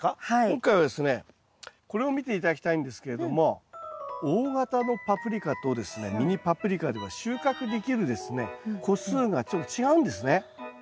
今回はですねこれを見て頂きたいんですけれども大型のパプリカとですねミニパプリカでは収穫できるですね個数がちょっと違うんですね。